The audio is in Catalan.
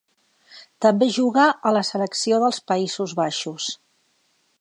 També juga a la selecció dels Països Baixos.